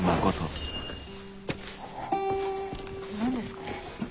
何ですか？